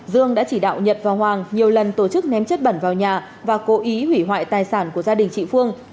dương đã chỉ đạo nhật và hoàng nhiều lần tổ chức ném chất bẩn vào nhà và cố ý hủy hoại tài sản của gia đình chị phương